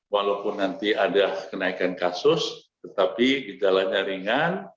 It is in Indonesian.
walaupun nanti ada kenaikan kasus tetapi gejalanya ringan